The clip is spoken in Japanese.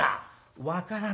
「分からないよ